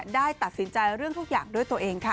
ได้ตัดสินใจเรื่องทุกอย่างด้วยตัวเองค่ะ